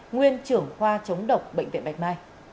nguyên trưởng khoa chống độc bệnh viện bạch mai